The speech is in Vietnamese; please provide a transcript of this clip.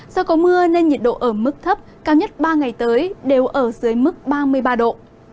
do có mưa nên nhiệt độ ở mức thấp cao nhất ba ngày tới đều ở dưới mức ba mươi ba độ